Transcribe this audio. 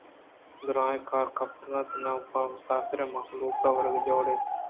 دُرٛاہیں کار کپتگ اَنت نہ پہ مسافرءُمہلوک ءَ ورگے جوڑ اِنت ءُنئیکہ ایندگہ کار بوتگ انت